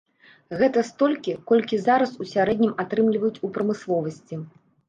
Гэта столькі, колькі зараз у сярэднім атрымліваюць у прамысловасці.